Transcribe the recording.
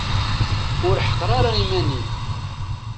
Ur ḥeqqer ara iman-im.